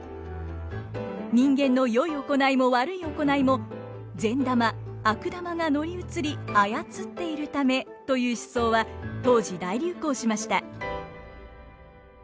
人間の善い行いも悪い行いも善玉悪玉が乗り移り操っているためという思想は当時大流行しました。